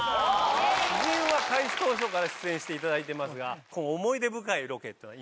夫人は開始当初から出演していただいてますが思い出深いロケというか。